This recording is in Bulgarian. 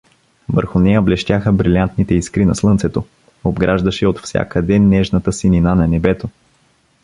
Върху нея блещяха брилянтните искри на слънцето, обграждаше я отвсякъде нежната синина на небето.